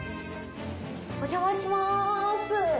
お邪魔します。